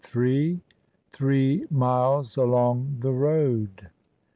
THREE MILES ALONG THE ROAD.